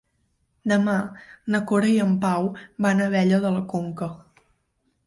Demà na Cora i en Pau van a Abella de la Conca.